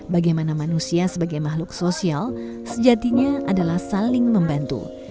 bagaimana manusia sebagai makhluk sosial sejatinya adalah saling membantu